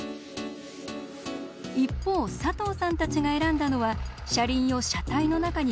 一方佐藤さんたちが選んだのは車輪を車体の中に組み込む方式。